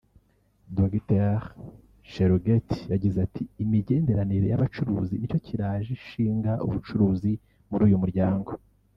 Dr Cheluget yagize ati “ Imigenderanire y’abacuruzi nicyo kiraje ishinga ubucuruzi muri uyu muryango […]”